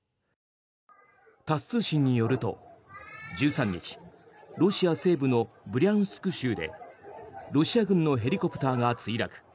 タス通信によると１３日、ロシア西部のブリャンスク州でロシア軍のヘリコプターが墜落。